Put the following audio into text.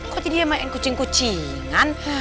kok jadi dia main kucing kucingan